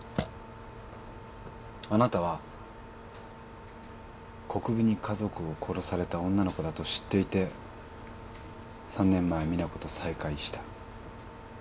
あなたは国府に家族を殺された女の子だと知っていて３年前実那子と再会した。